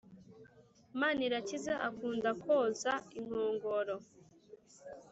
manirakiza akunda kwoza inkongoro